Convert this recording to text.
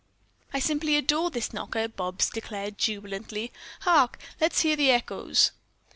"I simply adore this knocker," Bobs declared, jubilantly. "Hark, let's hear the echoes."